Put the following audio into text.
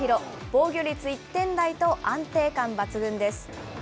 防御率１点台と、安定感抜群です。